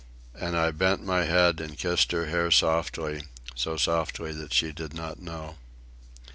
And I bent my head and kissed her hair softly, so softly that she did not know.